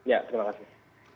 ya terima kasih